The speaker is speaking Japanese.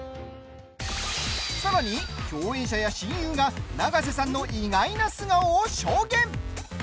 さらに共演者や親友が永瀬さんの意外な素顔を証言。